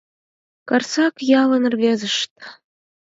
Карсак ялын рвезышт